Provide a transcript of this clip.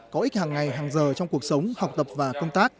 có ích hàng ngày hàng giờ trong cuộc sống học tập và công tác